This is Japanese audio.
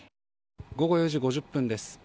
午後４時５０分です。